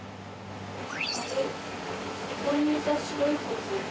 ここにいた白い子って？